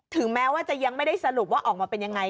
ถึงแม้ว่าจะยังไม่ได้สรุปว่าออกมาเป็นยังไง